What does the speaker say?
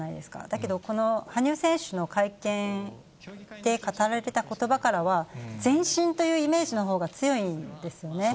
だけど羽生選手の会見で語られてたことばからは、前進というイメージのほうが強いんですよね。